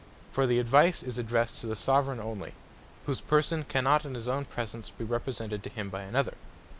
For the Advice is addressed to the Soveraign only, whose person cannot in his own presence, be represented to him, by another.